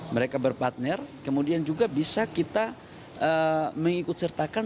mereka berpartner kemudian juga bisa kita mengikut sertakan